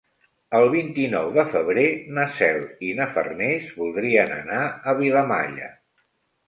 El vint-i-nou de febrer na Cel i na Farners voldrien anar a Vilamalla.